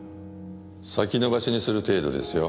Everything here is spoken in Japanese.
先延ばしにする程度ですよ